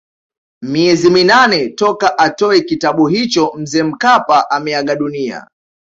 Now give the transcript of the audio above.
Miezi minane toka atoe kitabu hicho Mzee Mkapa ameaga dunia